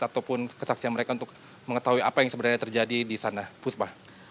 ataupun kesaksian mereka untuk mengetahui apa yang sebenarnya terjadi di sana puspa